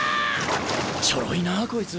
ちょろいなこいつ。